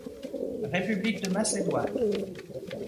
République de Macédoine.